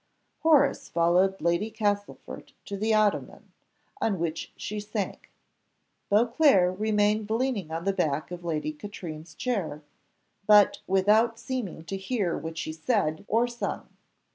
Horace followed Lady Castlefort to the ottoman, on which she sank. Beauclerc remained leaning on the back of Lady Katrine's chair, but without seeming to hear what she said or sung.